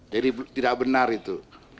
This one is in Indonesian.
jadi tidak benar itu